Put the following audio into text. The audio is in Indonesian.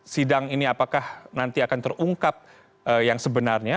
sidang ini apakah nanti akan terungkap yang sebenarnya